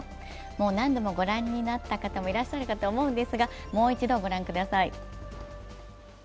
もう何度もご覧になった方もいらっしゃると思うんですがもう一度ご覧ください。